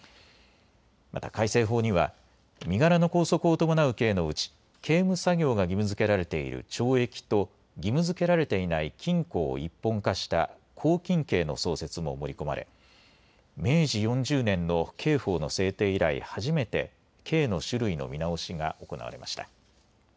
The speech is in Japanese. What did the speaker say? また改正法には身柄の拘束を伴う刑のうち刑務作業が義務づけられている懲役と義務づけられていない禁錮を一本化した拘禁刑の創設も盛り込まれ明治４０年の刑法の制定以来、初めて刑の種類の見直しが行われました。